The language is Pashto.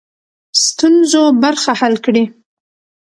ستونزو برخه حل کړي.